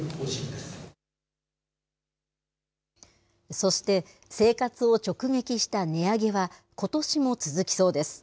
そして、生活を直撃した値上げは、ことしも続きそうです。